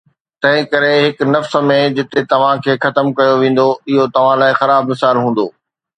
تنهن ڪري هڪ نفس ۾، جتي توهان کي ختم ڪيو ويندو، اهو توهان لاء خراب مثال هوندو